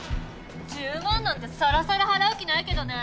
１０万なんてさらさら払う気ないけどね。